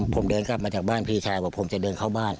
ผมเดินกลับมาจากบ้านพี่ชายบอกผมจะเดินเข้าบ้าน